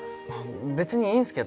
別にいいんすけど。